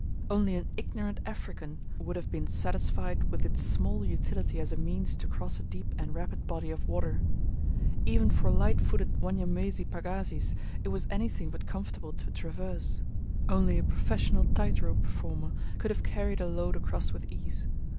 Only an ignorant African would have been satisfied with its small utility as a means to cross a deep and rapid body of water. Even for light footed Wanyamwezi pagazis it was anything but comfortable to traverse. Only a professional tight rope performer could have carried a load across with ease.